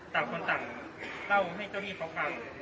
ตามคนต่ำเล่าให้เจ้าหน้าที่เข้าฟัง